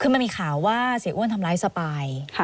คือมันมีข่าวว่าเสียอ้วนทำร้ายสปาย